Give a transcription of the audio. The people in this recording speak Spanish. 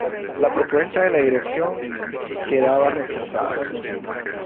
La propuesta de la dirección quedaba rechazada.